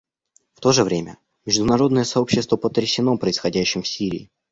В то же время международное сообщество потрясено происходящим в Сирии.